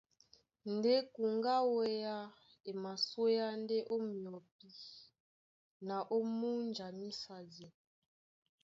Ndé kuŋgá á wéá e masúéá ndé ó myɔpí na ó múnja mísadi.